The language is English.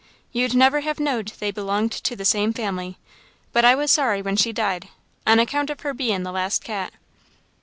You'd never have knowed they belonged to the same family, but I was sorry when she died, on account of her bein' the last cat."